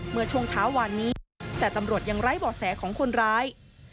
เมื่อช่วงเช้าวานนี้แต่ตำรวจยังไร้บ่อแสของคนร้าย